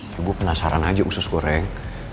ya gue penasaran aja khusus goreng